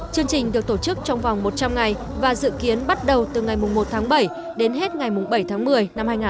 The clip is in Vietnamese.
chương trình được tổ chức trong vòng một trăm linh ngày và dự kiến bắt đầu từ ngày một tháng bảy đến hết ngày bảy tháng một mươi năm hai nghìn hai mươi